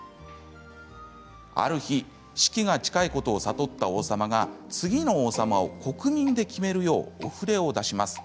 ある日死期が近いことを悟った王様は次の王様を国民で決めるようお触れを出します。